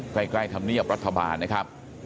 ใกล้ธรรมเนียบรัฐบาลนะครับ